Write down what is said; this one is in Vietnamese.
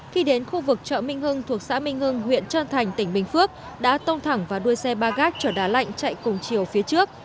khi đến khu vực chợ minh hưng thuộc xã minh hưng huyện trơn thành tỉnh bình phước đã tông thẳng vào đuôi xe ba gác trở đá lạnh chạy cùng chiều phía trước